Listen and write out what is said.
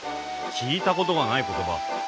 聞いたことがない言葉。